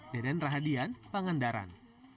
deden rahadian pangandaran